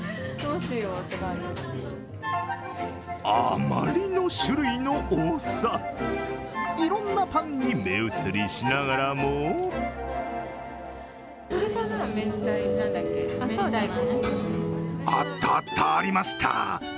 あまりの種類の多さ、いろんなパンに目移りしながらもあったあった、ありました！